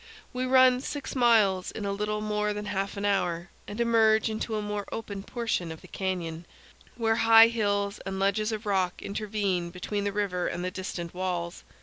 We run six miles in a little more than half an hour and emerge into a more open portion of the canyon, where high hills and ledges of rock intervene between the river and the distant walls.